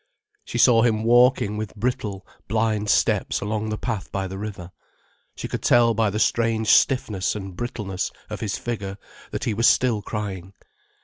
She saw him walking with brittle, blind steps along the path by the river. She could tell by the strange stiffness and brittleness of his figure that he was still crying.